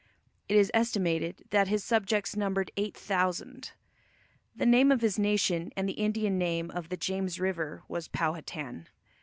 It is estimated that his subjects numbered eight thousand. The name of his nation and the Indian name of the James River was Powhatan.